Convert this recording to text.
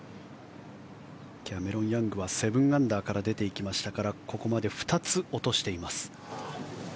キャメロン・ヤングは７アンダーから出ていきましたからここまで２つ落としています。